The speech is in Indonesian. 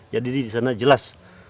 jadi di sana jelas